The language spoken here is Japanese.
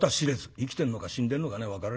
生きてんのか死んでんのか分からねえや。